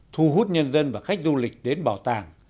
thu hút nhân dân và khách du lịch đến bảo tàng